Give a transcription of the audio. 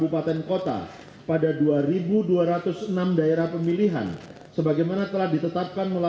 pada dua ribu dua ratus sepuluh daerah pemilihan